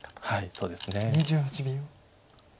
はいそうですね。